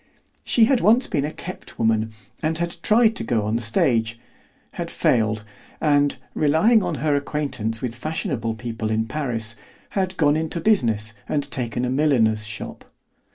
She had once been a kept woman, and had tried to go on the stage, had failed, and, relying on her acquaintance with fashionable people in Paris, had gone into business and taken a milliner's shop.